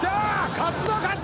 勝つぞ勝つぞ！